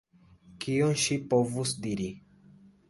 Kion ŝi povus diri?